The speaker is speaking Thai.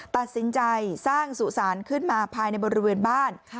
ตัดสินใจสร้างสุสานขึ้นมาภายในบริเวณบ้าน